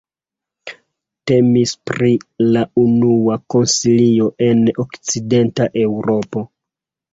Temis pri la unua koncilio en okcidenta Eŭropo.